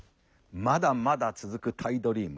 まだまだ続くタイドリーム。